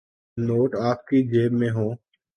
Note آپ کی جیب میں ہوں۔